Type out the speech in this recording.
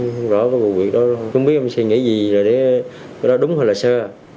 không rõ cái vụ việc đó đâu không biết em sẽ nghĩ gì rồi đấy cái đó đúng hay là sơ